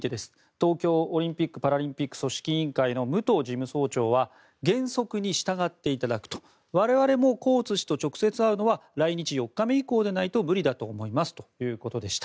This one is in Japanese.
東京オリンピック・パラリンピック組織委員会の武藤事務総長は原則に従っていただく我々もコーツ氏と直接会うのは来日４日目以降でないと無理だと思いますということでした。